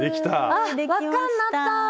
あっ輪っかになった！